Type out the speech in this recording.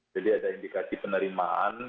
jadi ada indikasi penerimaan